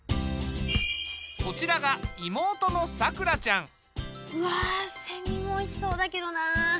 こちらが妹のさくらちゃん。わセミもおいしそうだけどな。